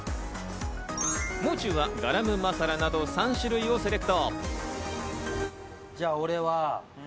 もう中はガラムマサラなど３種類をセレクト。